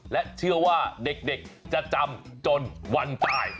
และเชื่อว่าเด็กจะจำจนวันตาย